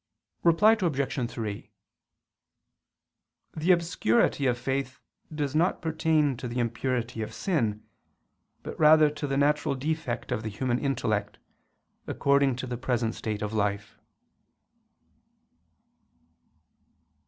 Reply Obj. 3: The obscurity of faith does not pertain to the impurity of sin, but rather to the natural defect of the human intellect, according to the present state of life.